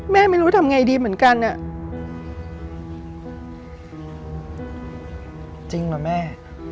แม่ไม่รู้จะทำไงดีเหมือนกันจริงหรอแม่